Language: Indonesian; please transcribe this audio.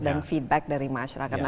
dan feedback dari masyarakat